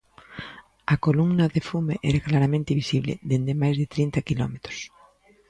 A columna de fume era claramente visible dende máis de trinta quilómetros.